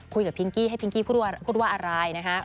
คุยกับพิงกี้ให้พิงกี้พูดว่าอะไรนะคะ